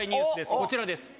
こちらです。